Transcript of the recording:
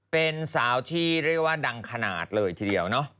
เป็นสาวที่เรียกว่าดังขนาดเลยทีเดียวเนาะ